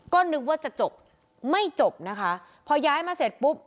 ก็นึกว่าจะจบไม่จบนะคะพอย้ายมาเสร็จปุ๊บ